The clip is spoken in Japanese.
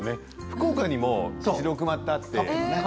福岡にもしろくまってあって。